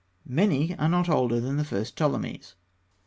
Many are not older than the first Ptolemies.